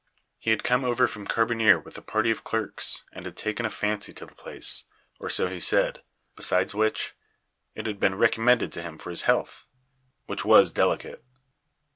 He had come over from Carbonear with a party of clerks, and had taken a fancy to the place or so he said; besides which, it had been recommended to him for his health, which was delicate.